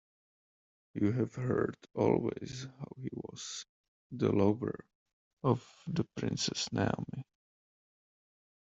You have heard always how he was the lover of the Princess Naomi.